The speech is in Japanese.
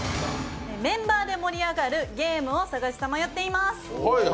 メンバーで盛り上がるゲームを探し彷徨っています。